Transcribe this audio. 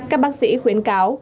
các bác sĩ khuyến cáo